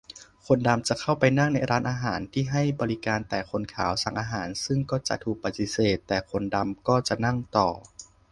คนดำจะเข้าไปนั่งในร้านอาหารที่ให้บริการแต่คนขาว สั่งอาหาร ซึ่งก็จะถูกปฏิเสธ แต่คนดำก็จะนั่งต่อ